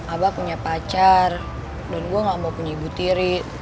abah punya pacar dan gue gak mau punya ibu tiri